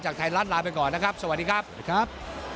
ไทยรัฐลาไปก่อนนะครับสวัสดีครับครับ